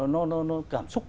nó cảm xúc